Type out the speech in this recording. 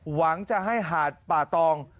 หวังจะให้หาดป่าตอง